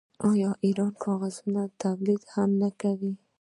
آیا ایران د کاغذ تولید هم نه کوي؟